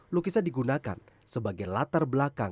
lukisan digunakan sebagai latar belakang